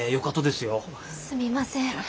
すみません。